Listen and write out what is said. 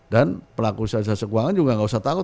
dan pelaku usaha jasa keuangan juga gak usah takut